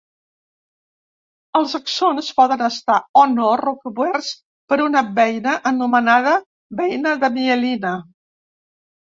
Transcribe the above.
Els axons poden estar o no recoberts per una beina, anomenada beina de mielina.